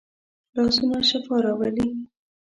لاسونه شفا راولي